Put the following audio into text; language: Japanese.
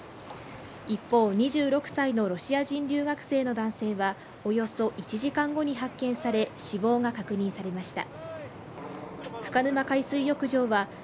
一方、２６歳のロシア人留学生の男性はおよそ１時間後に発見され死亡が確認されました。